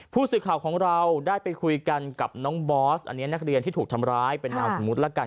ผู้สื่อข่าวของเราได้ไปคุยกันกับน้องบอสอันนี้นักเรียนที่ถูกทำร้ายเป็นนามสมมุติแล้วกัน